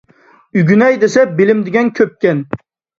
ئۆگىنەي دېسە بىلىم دېگەن كۆپكەن.